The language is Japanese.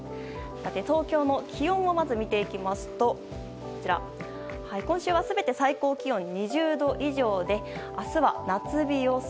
東京の気温を見ますと今週は全て最高気温２０度以上で明日は夏日予想。